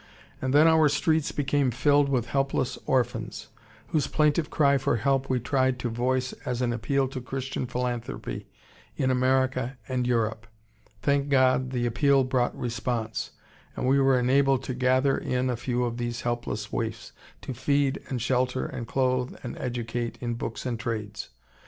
And then our streets became filled with helpless orphans, whose plaintive cry for help we tried to voice as an appeal to Christian philanthropy in America and Europe. Thank God, the appeal brought response, and we were enabled to gather in a few of these helpless waifs to feed and shelter and clothe and educate in books and trades.